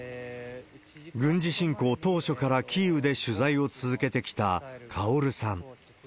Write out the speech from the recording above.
軍事侵攻当初からキーウで取材を続けてきたカオルさん。